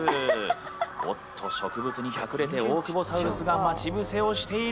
おっと植物に隠れてオオクボサウルスが待ち伏せをしている。